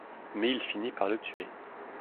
Mais il finit par le tuer.